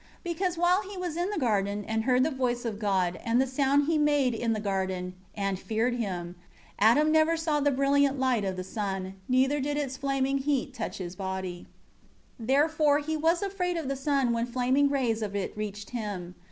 7 Because while he was in the garden and heard the voice of God and the sound He made in the garden, and feared Him, Adam never saw the brilliant light of the sun, neither did its flaming heat touch his body. 8 Therefore he was afraid of the sun when flaming rays of it reached him.